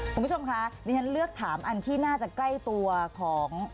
คุณผู้ชมคะดิฉันเลือกถามอันที่น่าจะใกล้ตัวของ